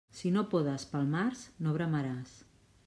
Si no podes pel març, no veremaràs.